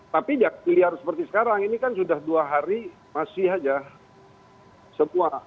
tapi ya pilihan seperti sekarang ini kan sudah dua hari masih aja semua